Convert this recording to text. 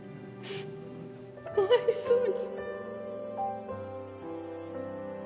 かわいそうに。